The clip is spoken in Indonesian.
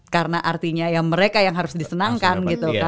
karena artinya ya mereka yang harus disenangkan gitu kan